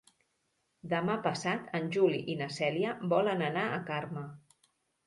Demà passat en Juli i na Cèlia volen anar a Carme.